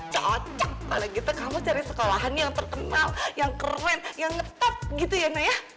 cocok kalau gitu kamu cari sekolahan yang terkenal yang keren yang ngetop gitu ya naya